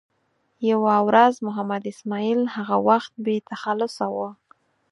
یوه ورځ محمد اسماعیل هغه وخت بې تخلصه و.